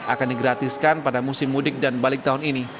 akan digratiskan pada musim mudik dan balik tahun ini